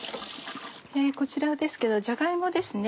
こちらですけどじゃが芋ですね。